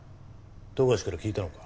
富樫から聞いたのか？